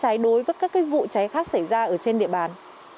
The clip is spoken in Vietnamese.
thái đối với các cái vụ trái khác xảy ra ở trên địa bàn